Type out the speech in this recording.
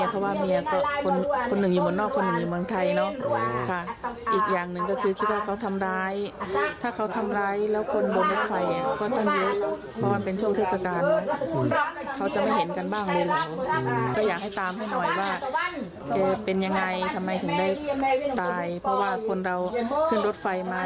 เป็นยังไงทำไมถึงได้ตายเพราะว่าคนเราขึ้นรถไฟมา